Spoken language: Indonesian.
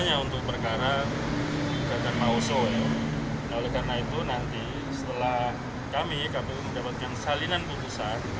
dan nantikan saya harus lapor kepada ketua dan para anggota di dalam forum pleno